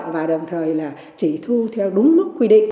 và đồng thời là chỉ thu theo đúng mức quy định